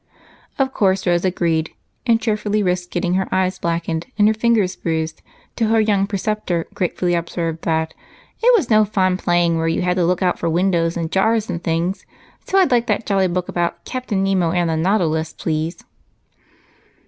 Of course Rose agreed and cheerfully risked getting her eyes blackened and her fingers bruised till her young receptor gratefully observed that "it was no fun playing where you had to look out for windows and jars and things, so I'd like that jolly book about Captain Nemo and the Nautilus, please."